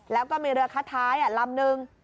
แล้วก็มีเรือคัดท้ายลำนึง